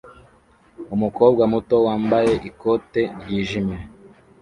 Umukobwa muto wambaye ikote ryijimye